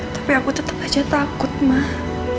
tapi aku tetap aja takut mah